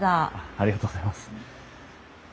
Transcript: ありがとうございます。